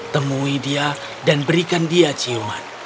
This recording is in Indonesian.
temui dia dan berikan dia ciuman